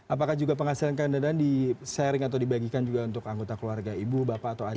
apakah juga penghasilan kang dadan di sharing atau dibagikan juga untuk anggota keluarga ibu bapak atau adik